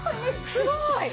すごい！